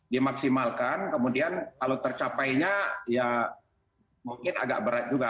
dimaksimalkan kemudian kalau tercapainya ya mungkin agak berat juga